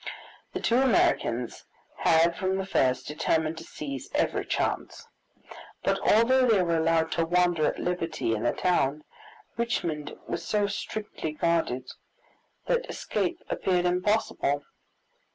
The two Americans had from the first determined to seize every chance; but although they were allowed to wander at liberty in the town, Richmond was so strictly guarded, that escape appeared impossible.